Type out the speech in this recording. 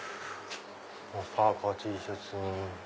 パーカＴシャツ。